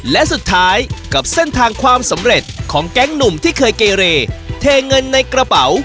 และสุดท้ายกับเส้นทางความสำเร็จของแก๊งหนุ่มที่เคยเกเรเทเงินในกระเป๋า